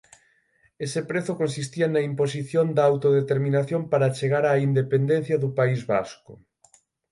Ese prezo consistía na imposición da autodeterminación para chegar á independencia do País Vasco.".